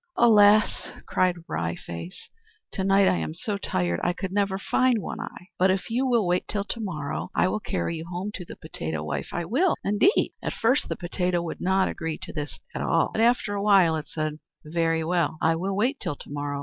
"Alas," cried Wry Face, "to night I am so tired I could never find One Eye; but if you will but wait till to morrow, I will carry you home to the potato wife I will indeed!" At first the potato would not agree to this at all, but after a while it said, "Very well, I will wait till to morrow.